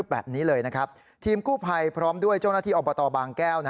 แบบนี้เลยนะครับทีมคู่ไพรพร้อมด้วยโจ้นาทิศอปัตย์บางแก้ว